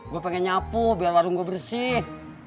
gue pengen nyapu biar warung gue bersih